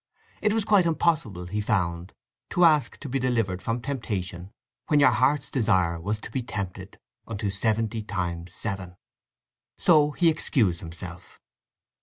It was quite impossible, he found, to ask to be delivered from temptation when your heart's desire was to be tempted unto seventy times seven. So he excused himself.